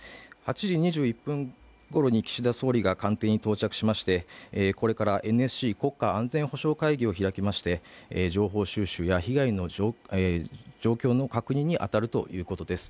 ８時２１分頃に岸田総理が官邸に到着しましてこれからＮＳＣ＝国家安全保障会議を開きまして、情報収集や被害の状況の確認にあたるということです。